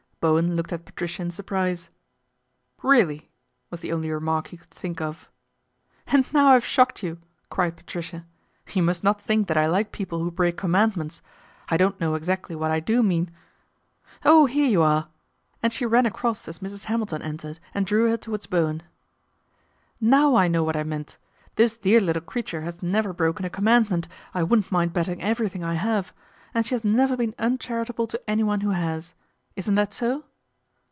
Bowen looked at Patricia in surprise. " Really !" was the only remark he could think of. " And now I've shocked you !" cried Patricia. "You must not think that I like people whc break commandments. I don't know exactly what I do mean. Oh, here you are !" and she ran across as Mrs. Hamilton entered and drew her towards Bowen. " Now I know what I meant. This dear little creature has never broken a com mandment, I wouldn't mind betting everything I have, and she has never been uncharitable to any one who has. Isn't that so